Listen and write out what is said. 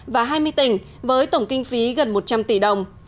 và hai mươi tỉnh với tổng kinh phí gần một trăm linh tỷ đồng